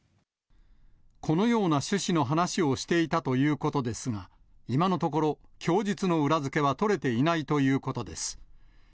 このような趣旨の話をしていたということですが、今のところ、供述の裏付けは取れていないということです。